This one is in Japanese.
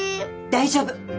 大丈夫。